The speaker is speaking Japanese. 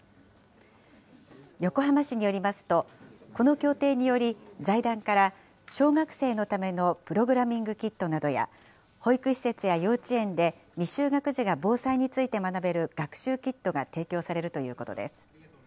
横浜市によりますと、この協定により、財団から小学生のためのプログラミングキットなどや、保育施設や幼稚園で未就学児が防災について学べる学習キットが提供されるということです。